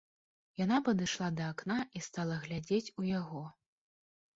Яна падышла да акна і стала глядзець у яго.